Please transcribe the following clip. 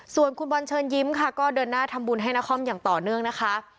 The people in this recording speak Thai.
ส่วนคุณบอลเชิญยิ้มค่ะก็เดินหน้าทำบุญให้นครอย่างต่อเนื่องนะคะ